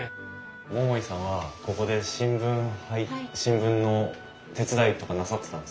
桃井さんはここで新聞の手伝いとかなさってたんですか？